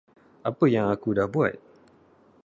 Apa yang aku dah buat.